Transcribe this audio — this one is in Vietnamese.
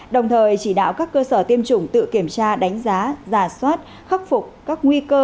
đồng thời chỉ đạo các cơ sở tiêm chủng tự kiểm tra đánh giá giả soát khắc phục các nguy cơ